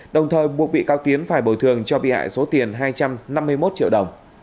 đồng thời buộc bị cáo tiến phải bồi thường cho bị hại số tiền hai trăm năm mươi một triệu đồng